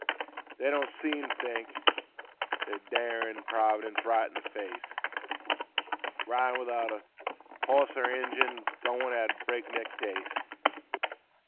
They don't seem t' think they're darin' Provi dence right in th' face, Ridin' without hoss er engine 'n' goin' at a break neck pace.